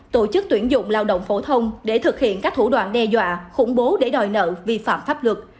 tổ chức tuyển dụng lao động phổ thông để thực hiện các thủ đoạn đe dọa khủng bố để đòi nợ vi phạm pháp luật